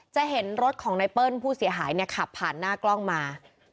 จะเห็นรถของไนเปิ้ลผู้เสียหายเนี่ยขับผ่านหน้ากล้องมา